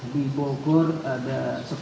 di bogor ada sepuluh